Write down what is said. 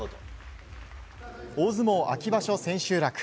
大相撲秋場所千秋楽。